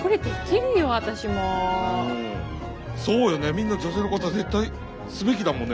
みんな女性の方絶対すべきだもんね。